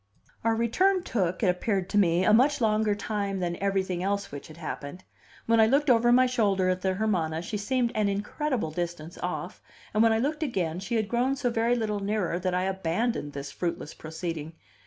Our return took, it appeared to me, a much longer time than everything else which had happened. When I looked over my shoulder at the Hermana, she seemed an incredible distance off, and when I looked again, she had grown so very little nearer that I abandoned this fruitless proceeding.